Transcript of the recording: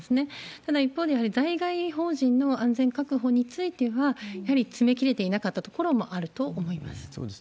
ただ一方で、やはり在外邦人の安全確保については、やはり詰め切れていなかったところがあると思います。